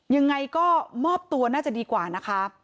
ยังไงก็มอบตัวน่าจะดีกว่านะคะ